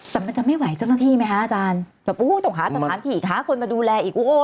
แต่มันจะไม่ไหวเจ้าหน้าที่ไหมคะอาจารย์แบบโอ้โหต้องหาสถานที่หาคนมาดูแลอีก